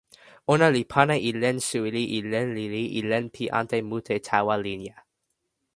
ona li pana e len suli e len lili e len pi ante mute tawa linja.